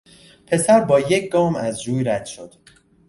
پسر بایک گام از جوی رد شد.